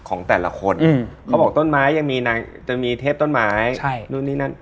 ของแต่ละคนเขาบอกต้นไม้ยังมีเทพต้นไม้นู่นนี่นั่น